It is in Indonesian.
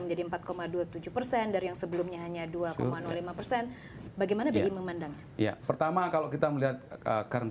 menjadi empat dua puluh tujuh persen dari yang sebelumnya hanya dua lima persen bagaimana jadi memandang ya pertama